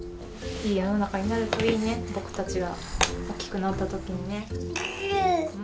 いい世の中になるといいね、僕たちが大きくなったときにね。